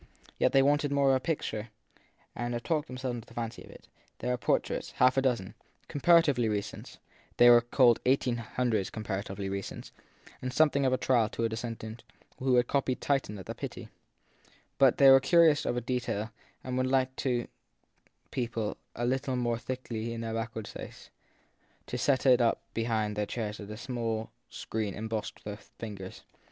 Yet they wanted more of a picture and talked them selves into the fancy of it; there were portraits half a dozen, comparatively recent (they called 1800 comparatively recent), and something of a trial to a descendant who had copied Titian at the Pitti ; but they were curious of detail and would have liked to people a little more thickly their back ward space, to set it up behind their chairs as a screen embossed with figures.